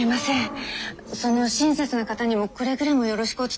その親切な方にもくれぐれもよろしくお伝えください。